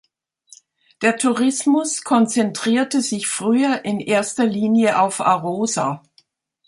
Der Tourismus konzentrierte sich früher in erster Linie auf Arosa.